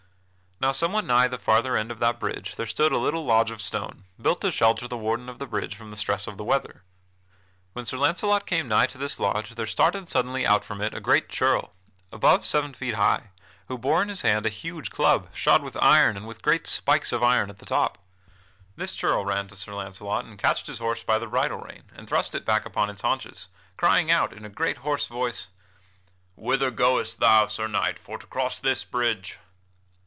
Now somewhat nigh the farther end of that bridge there stood a little lodge of stone, built to shelter the warden of the bridge from stress of weather. When Sir Launcelot came nigh to this lodge there started suddenly out from it a great churl, above seven feet high, who bore in his hand a huge club, shod with iron and with great spikes of iron at the top. This churl ran to Sir Launcelot and catched his horse by the bridle rein and thrust it back upon its haunches, crying out in a great hoarse voice: "Whither goest thou, Sir Knight, for to cross this bridge?"